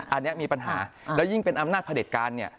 อันนี้มีปัญหาแล้วยิ่งเป็นอำนาจพระเด็จการเนี่ย